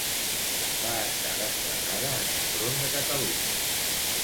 Va estar desplegada en el front de Catalunya.